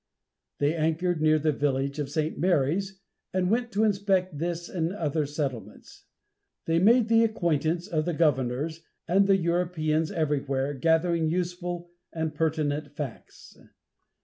They anchored near the village of St. Mary's, and went to inspect this and other settlements. They made the acquaintance of the governors and the Europeans, everywhere gathering useful and pertinent facts.